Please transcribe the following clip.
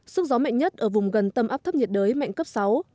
sức gió mạnh nhất ở vùng gần tâm áp thấp nhiệt đới mạnh cấp sáu